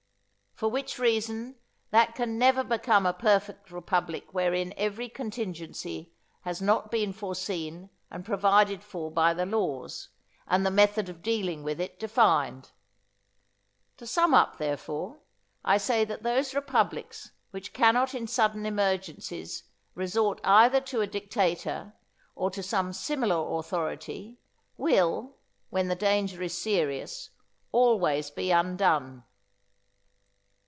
For which reason, that can never become a perfect republic wherein every contingency has not been foreseen and provided for by the laws, and the method of dealing with it defined. To sum up, therefore, I say that those republics which cannot in sudden emergencies resort either to a dictator or to some similar authority, will, when the danger is serious, always be undone.